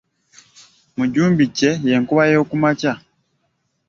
Mujumbi kye ye nkuba y'okumakya.